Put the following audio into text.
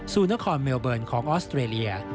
นครเมลเบิร์นของออสเตรเลีย